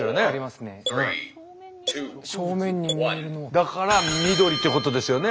だから緑ってことですよね。